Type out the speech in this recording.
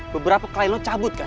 beberapa kali lo cabut kan